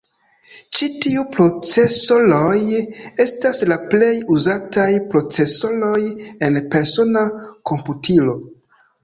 Ĉi tiu procesoroj estas la plej uzataj procesoroj en persona komputilo.